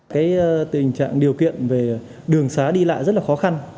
cái tình trạng điều kiện về đường xá đi lại rất là khó khăn